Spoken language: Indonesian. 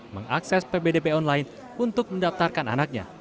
mengakses ppdb online untuk mendaftarkan anaknya